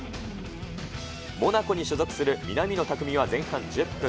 モナコに所属する南野拓実は前半１０分。